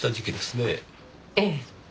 ええ。